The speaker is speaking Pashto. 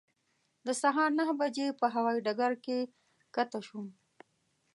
د سهار نهه بجې په هوایي ډګر کې کښته شوم.